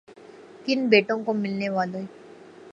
کن بیٹے کو ملنے والی